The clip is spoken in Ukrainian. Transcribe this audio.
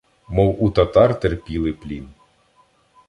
Мов у татар терпіли плін.